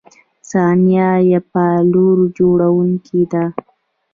• ثانیه د پایلو جوړونکی ده.